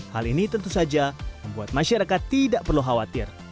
hal ini tentu saja membuat masyarakat tidak perlu khawatir